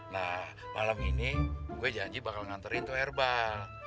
nah malam ini gue janji bakal nganterin tuh herbal